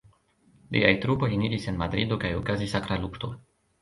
Liaj trupoj eniris en Madrido kaj okazis akra lukto.